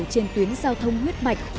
trên tuyến giao thông huyết mạch